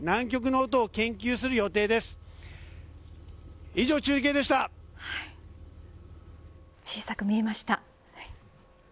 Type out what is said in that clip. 小さく見えました。